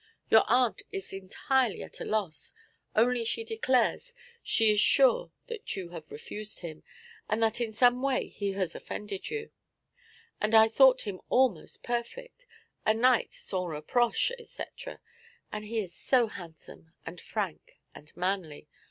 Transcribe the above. Your aunt is entirely at a loss, only she declares she is sure that you have refused him, and that in some way he has offended you; and I thought him almost perfect, a knight sans reproche, etc.; and he is so handsome, and frank, and manly.